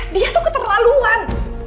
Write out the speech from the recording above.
dia tuh keterlaluan